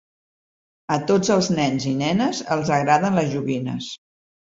A tots els nens i nenes els agraden les joguines.